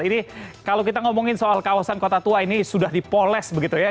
ini kalau kita ngomongin soal kawasan kota tua ini sudah dipoles begitu ya